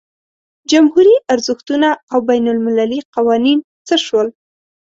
جمهوري ارزښتونه او بین المللي قوانین څه شول.